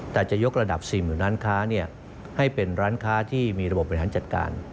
แต่จะยกระดับ๔๐๐๐ร้านค้าให้เป็นร้านค้าที่มีระบบบบริหารจัดการ